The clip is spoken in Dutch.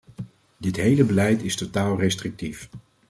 Dit hele beleid is totaal restrictief.